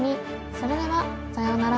それではさようなら！